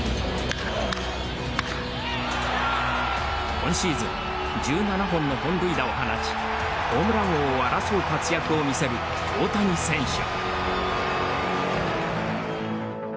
今シーズン１７本の本塁打を放ちホームラン王を争う活躍を見せる大谷選手。